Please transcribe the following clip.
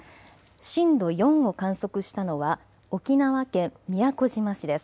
震度４を観測したのは沖縄県宮古島市です。